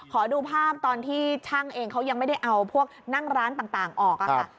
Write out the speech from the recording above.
ขอดูภาพตอนที่ช่างเองเขายังไม่ได้เอาพวกนั่งร้านต่างออกค่ะ